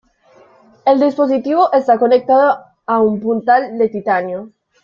El dispositivo está conectado a un puntal de titanio.